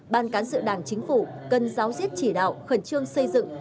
ban cán sự đảng chính phủ cần giáo diết chỉ đạo khẩn trương xây dựng